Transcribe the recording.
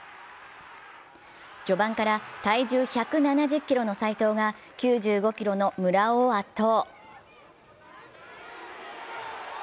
序盤から体重１７０ｋｇの斉藤が９５ｋｇの村尾を圧倒。